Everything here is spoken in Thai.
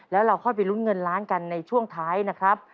แล้วเราค่อยไปลุ้นเงินล้านกันในช่วงท้ายนะครับ